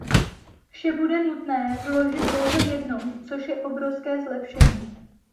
Vše bude nutné vložit pouze jednou, což je obrovské zlepšení.